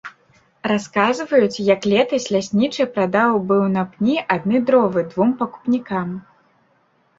Расказваюць, як летась ляснічы прадаў быў на пні адны дровы двум пакупнікам.